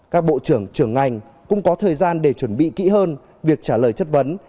các bộ trưởng trưởng ngành cũng có thời gian để chuẩn bị kỹ hơn việc trả lời chất vấn